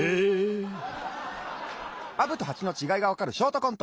アブとハチのちがいがわかるショートコント。